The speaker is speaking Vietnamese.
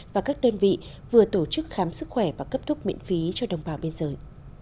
và các đơn vị vừa tổ chức khám sức khỏe và cấp thuốc miễn phí cho đồng bào biên giới